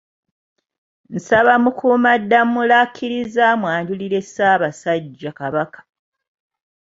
Nasaba Mukuumaddamula akkirize amwanjulire Ssaabasajja Kabaka.